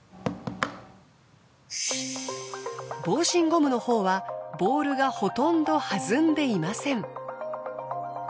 防振ゴムのほうはボールがほとんど弾んでいません。